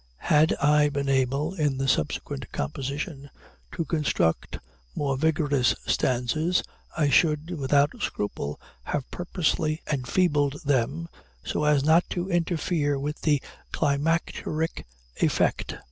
Had I been able, in the subsequent composition, to construct more vigorous stanzas, I should, without scruple, have purposely enfeebled them, so as not to interfere with the climacteric effect.